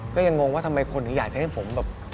ก็ยังงงว่าทำไมคนถึงอยากจะให้ผมแบบ